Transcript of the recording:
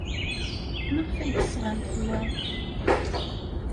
Maɣef ay d-tesɣamt wa?